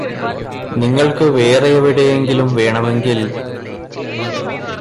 നിങ്ങൾക്ക് വേറെയെവിടെയെങ്കിലും വേണെമെങ്കിൽ